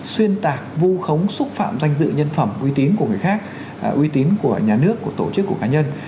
xuyên tạc vu khống xúc phạm danh dự nhân phẩm uy tín của người khác uy tín của nhà nước của tổ chức của cá nhân